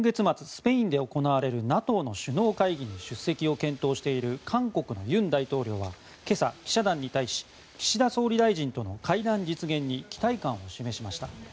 スペインで行われるＮＡＴＯの首脳会議に出席を検討している韓国の尹大統領は今朝、記者団に対し岸田総理大臣との会談実現に期待感を示しました。